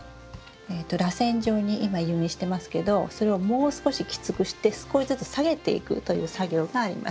らせん状に今誘引してますけどそれをもう少しきつくして少しずつ下げていくという作業があります。